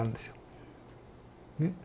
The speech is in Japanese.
ねっ。